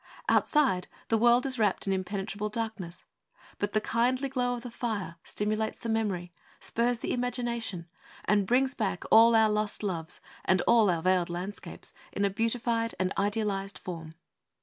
Outside, the world is wrapped in impenetrable darkness. But the kindly glow of the fire stimulates the memory, spurs the imagination, and brings back all our lost loves and all our veiled landscapes in a beautified and idealized form.